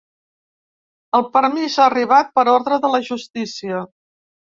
El permís ha arribat per ordre de la justícia.